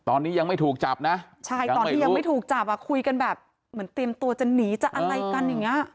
ตอนนี้ยังไม่ถูกจับนะใช่ตอนที่ยังไม่ถูกจับอ่ะคุยกันแบบเหมือนเตรียมตัวจะหนีจะอะไรกันอย่างเงี้ย